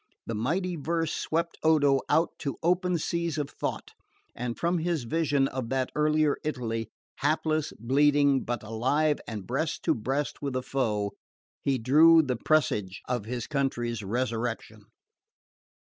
The mighty verse swept Odo out to open seas of thought, and from his vision of that earlier Italy, hapless, bleeding, but alive and breast to breast with the foe, he drew the presage of his country's resurrection.